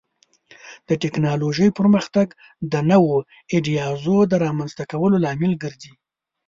د ټکنالوژۍ پرمختګ د نوو ایډیازو د رامنځته کولو لامل ګرځي.